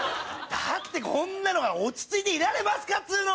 だってこんなのが落ち着いてられますかっつうの！